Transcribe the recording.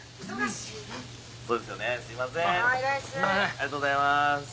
ありがとうございます。